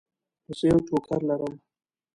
زه یو ټوکر لرم.